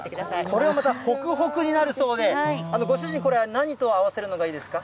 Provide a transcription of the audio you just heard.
これはまた、ほくほくになるそうで、ご主人、これは何と合わせるのがいいですか。